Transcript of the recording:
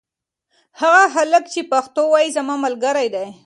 هغه هلک چې پښتو وايي زما ملګری دی.